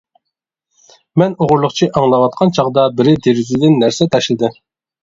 مەن ئوغرىلىقچە ئاڭلاۋاتقان چاغدا بىرى دېرىزىدىن نەرسە تاشلىدى.